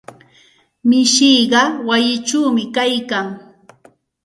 Mishiqa wayichawmi kaykan.